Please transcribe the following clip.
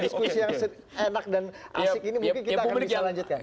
diskusi yang enak dan asik ini mungkin kita akan bisa lanjutkan